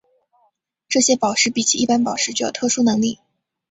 这些宝石比起一般宝石具有特殊能力。